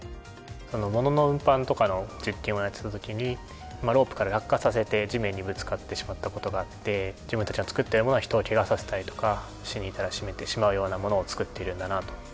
物の運搬とかの実験をやっていた時にロープから落下させて地面にぶつかってしまった事があって自分たちの作っているものは人をケガさせたりとか死に至らしめてしまうようなものを作っているんだなと。